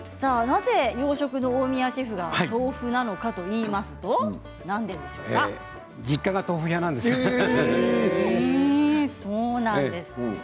なぜ洋食の大宮シェフが豆腐なのかといいますと実家が豆腐屋なんです。